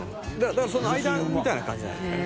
「だからその間みたいな感じじゃないですかね」